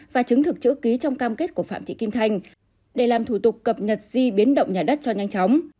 và chứng thực chữ ký trong cam kết của phạm thị kim thanh để làm thủ tục cập nhật di biến động nhà đất cho nhanh chóng